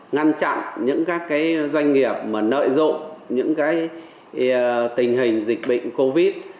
ngăn chặn những các doanh nghiệp nợ dụng những tình hình dịch bệnh covid một mươi chín